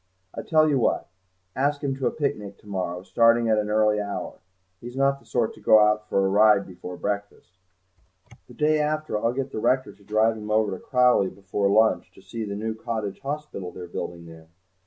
I tell you what: ask him to a picnic to morrow, starting at an early hour; he's not the sort to go out for a ride before breakfast. The day after I'll get the rector to drive him over to Crowleigh before lunch, to see the new cottage hospital they're building there.